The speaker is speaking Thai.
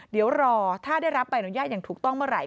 เดี๋ยวรอถ้าได้รับใบอนุญาตอย่างถูกต้องเมื่อไห